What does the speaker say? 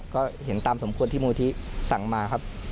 ก็เห็นตามสมควรที่มูลที่สั่งมาครับ